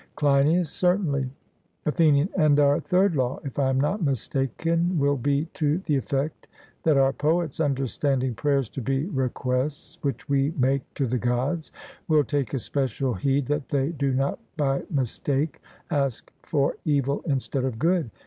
CLEINIAS: Certainly. ATHENIAN: And our third law, if I am not mistaken, will be to the effect that our poets, understanding prayers to be requests which we make to the Gods, will take especial heed that they do not by mistake ask for evil instead of good.